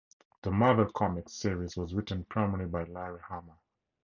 The Marvel Comics series was written primarily by Larry Hama.